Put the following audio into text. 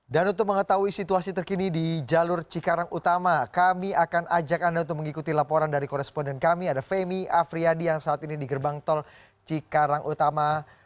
untuk mengetahui situasi terkini di jalur cikarang utama kami akan ajak anda untuk mengikuti laporan dari koresponden kami ada femi afriyadi yang saat ini di gerbang tol cikarang utama